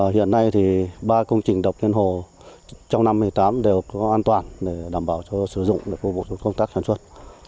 hiện nay thì ba công trình đập trên hồ trong năm hai nghìn một mươi tám đều có an toàn để đảm bảo sử dụng để phục vụ công tác sản xuất